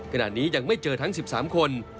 ขณะนี้ยังไม่เจอทั้ง๑๓คน